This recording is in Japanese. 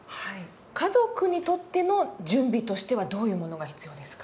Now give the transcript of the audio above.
家族にとっての準備としてはどういうものが必要ですか？